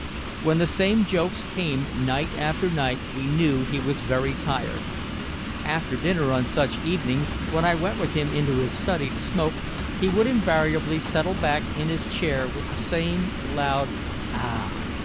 When the same jokes came night after night we knew he was very tired. After dinner on such evenings, when I went with him into his study to smoke, he would invariably settle back in his chair with the same loud "Ah!"